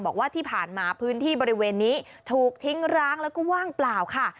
บอกว่าที่ผ่านมาพื้นที่บริเวณนี้ถูกทิ้งร้างแล้วก็ว่างเปล่าค่ะ